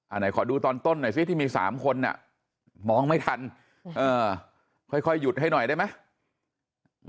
ไหนขอดูตอนต้นหน่อยซิที่มี๓คนอ่ะมองไม่ทันค่อยหยุดให้หน่อยได้ไหม